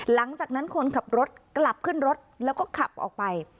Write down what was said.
หลังจากนั้นคนขับรถกลับขึ้นรถแล้วก็ขับออกไป